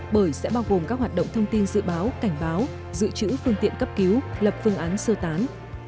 bởi sẽ bao gồm các hoạt động thông tin dự báo cảnh báo dự trữ phương tiện cấp cứu lập phương án sơ tán